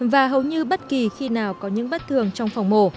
và hầu như bất kỳ khi nào có những bất thường trong phòng mổ